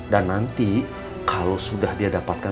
dan nanti kalau sudah dia dapatkan